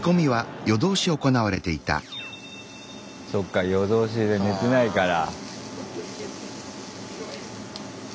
そっか夜通しで寝てないから。